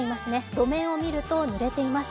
路面を見るとぬれています。